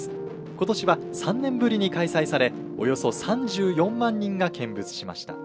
今年は３年ぶりに開催されおよそ３４万人が見物しました。